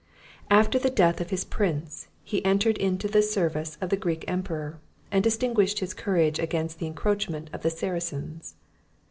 After the death of his prince, he entered into the service of the Greek emperor, and distinguished his courage against the encroachments of the Saracens.